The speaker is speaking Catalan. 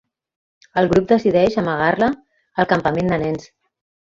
El grup decideix amagar-la al campament de nens.